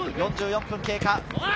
４４分経過。